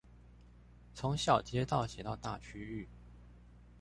從小街道寫到大區域